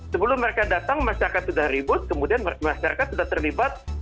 sebelum mereka datang masyarakat sudah ribut kemudian masyarakat sudah terlibat